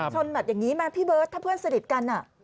ชนแบบอย่างนี้ไหมพี่เบิร์ตถ้าเพื่อนสนิทกัน